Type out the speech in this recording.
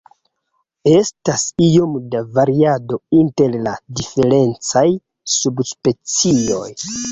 Estas iom da variado inter la diferencaj subspecioj.